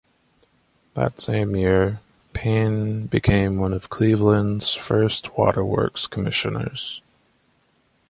That same year, Payne became one of Cleveland's first water works commissioners.